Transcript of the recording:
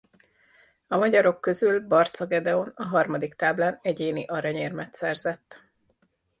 A magyarok közül Barcza Gedeon a harmadik táblán egyéni aranyérmet szerzett.